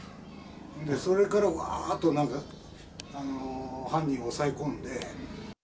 それからわーっと犯人を押さえ込んで。